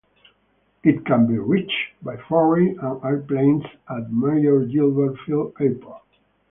It can be reached by ferry and airplanes at Major Gilbert Field Airport.